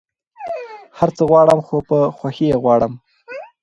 هر څه غواړم خو په خوښی يي غواړم